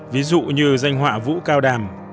ví dụ như doanh họa vũ cao đàm